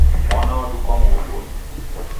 Mwana wadukwa mghongonyi